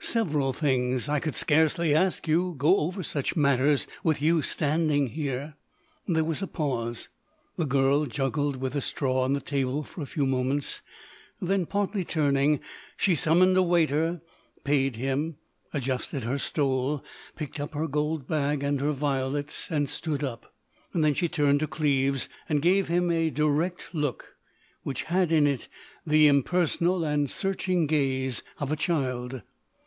"Several things. I could scarcely ask you—go over such matters with you—standing here." There was a pause; the girl juggled with the straw on the table for a few moments, then, partly turning, she summoned a waiter, paid him, adjusted her stole, picked up her gold bag and her violets and stood up. Then she turned to Cleves and gave him a direct look, which had in it the impersonal and searching gaze of a child.